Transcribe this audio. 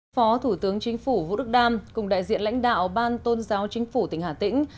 phó thủ tướng chính phủ vũ đức đam cùng đại diện lãnh đạo ban tôn giáo chính phủ tỉnh hà tĩnh